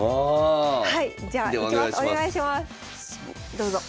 どうぞ。